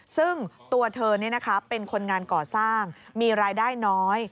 ซึ่งตัวเธอเป็นคนงานก่อสร้างมีรายได้น้อย